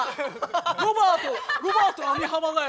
ロバートロバート網浜だよ。